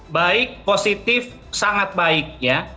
baik positif sangat baik ya